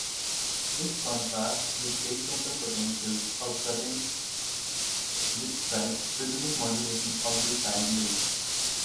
This contrasts with pacemaker potential or current which drives rhythmic modulation of firing rate.